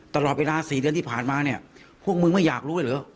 ตลอดเวลา๔เดือนที่ผ่านมาเนี่ยพวกมึงไม่อยากรู้เลยเหรอ